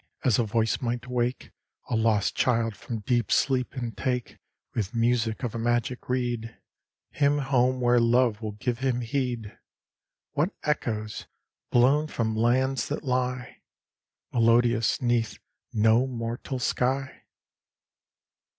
as a voice might wake A lost child from deep sleep and take, With music of a magic reed, Him home where love will give him heed: What echoes, blown from lands that lie Melodious 'neath no mortal sky?